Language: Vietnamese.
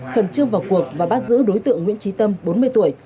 khẩn trương vào cuộc và bắt giữ đối tượng nguyễn trí tâm bốn mươi tuổi